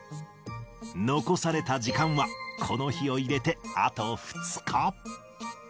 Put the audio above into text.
残された時間はこの日を入れてあと２日。